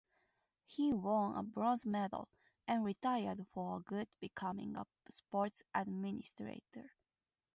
He won a bronze medal and retired for good, becoming a sports administrator.